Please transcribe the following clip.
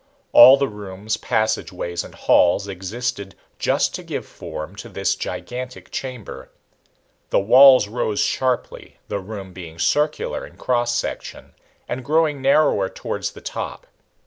All the rooms, passageways and halls existed just to give form to this gigantic chamber. The walls rose sharply, the room being circular in cross section and growing narrower towards the top.